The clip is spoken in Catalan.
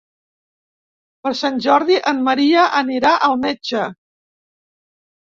Per Sant Jordi en Maria anirà al metge.